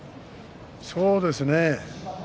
そうですね。